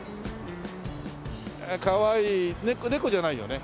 かわいい猫じゃないよね。